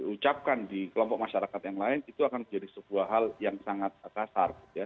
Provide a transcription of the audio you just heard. diucapkan di kelompok masyarakat yang lain itu akan menjadi sebuah hal yang sangat kasar